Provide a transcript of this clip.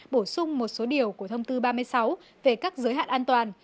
bổ sung một số điều của thông tư ba mươi sáu về các giới hạn an toàn